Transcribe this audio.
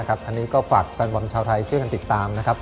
อันนี้ก็ฝากแฟนบอลชาวไทยเชื่อกันติดตาม